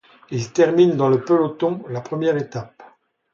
Il termine dans le peloton, la première étape.